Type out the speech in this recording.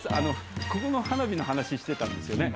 ここの花火の話してたんですよね